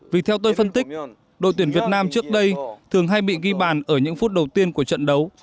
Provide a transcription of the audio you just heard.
vì theo tôi phân tích đội tuyển việt nam trước đây thường hay bị ghi bàn ở những phút đầu tiên của trận đấu